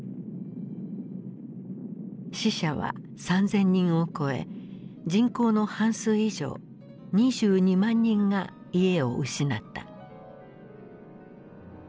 死者は３，０００人を超え人口の半数以上２２万人が家を失った。